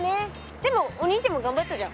でもお兄ちゃんもがんばったじゃん。